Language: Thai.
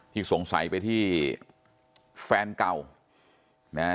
ที่สงสัยไปที่แฟนเก่า